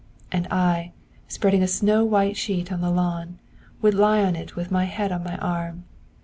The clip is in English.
And I, spreading a snow white sheet on the lawn, would lie on it with my head on my arm.